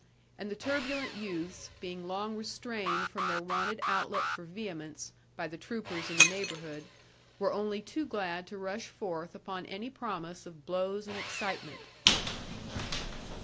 And the turbulent youths, being long restrained from their wonted outlet for vehemence, by the troopers in the neighbourhood, were only too glad to rush forth upon any promise of blows and excitement.